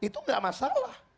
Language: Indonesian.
itu gak masalah